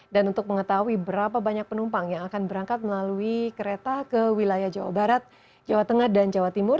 dan untuk mengetahui berapa banyak penumpang yang akan berangkat melalui kereta ke wilayah jawa barat jawa tengah dan jawa timur